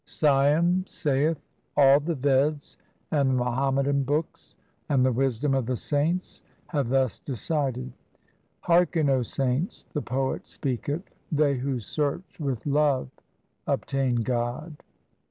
Siam saith, all the Veds and the Muhammadan books and the wisdom of the saints have thus decided. Hearken, O saints, the poet speaketh, they who search with love obtain God.